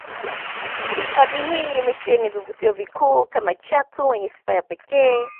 Hifadhi hii imesheheni vivutio vikuu kama chatu wenye sifa ya pekee